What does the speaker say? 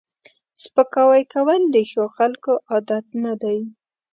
سپکاوی کول د ښو خلکو عادت نه دی